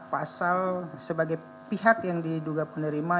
pasal sebagai pihak yang diduga penerima